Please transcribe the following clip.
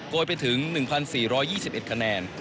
ยไปถึง๑๔๒๑คะแนน